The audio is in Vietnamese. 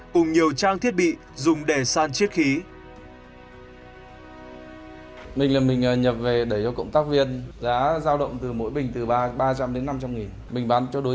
cùng nhiều trang thiết bị dùng để san chiết khí